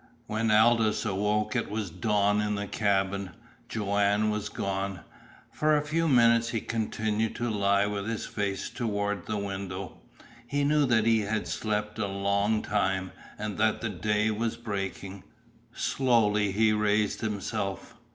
When Aldous awoke it was dawn in the cabin. Joanne was gone. For a few minutes he continued to lie with his face toward the window. He knew that he had slept a long time, and that the day was breaking. Slowly he raised himself.